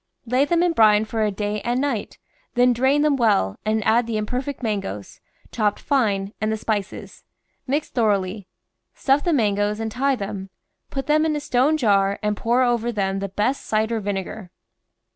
Lay them in brine for a day and night, then drain them well, and add the imperfect mangoes, chopped fine, and the spices ; mix thoroughly ; stuff the man goes and tie them; put them in a stone jar and pour over them the best cider vinegar.